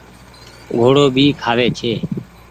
گھوڙو ڀي کآوي ڇي۔